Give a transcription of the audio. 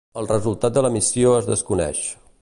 El resultat de la missió es desconeix.